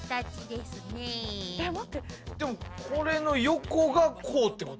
でもこれの横がこうってことね。